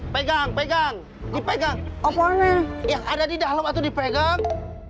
pegang pegang dipegang omornya yang ada di dalam atau dipegang